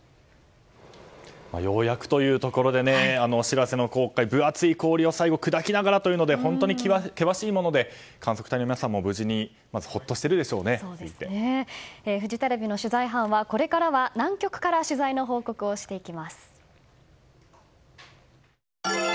ようやくというところで「しらせ」の航海分厚い氷を最後砕きながらというので本当に険しいもので観測隊の皆さんも無事でフジテレビの取材班はこれからは南極から取材の報告をしていきます。